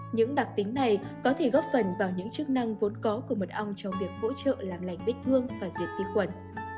những đặc tính này có thể góp phần vào những chức năng vốn có của mật ong trong việc hỗ trợ làm lành bếch hương và diệt tí quẩn